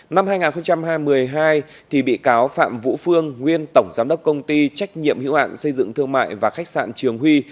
năm hai nghìn hai mươi hai bị cáo phạm vũ phương nguyên tổng giám đốc công ty trách nhiệm hiệu ạn xây dựng thương mại và khách sạn trường huy